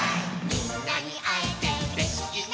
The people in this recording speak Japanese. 「みんなにあえてうれしいな」